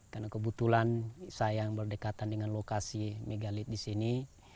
karena kebetulan saya yang berdekatan dengan lokasi megalith di sini